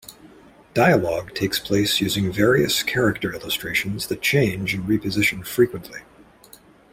Dialog takes place using various character illustrations that change and reposition frequently.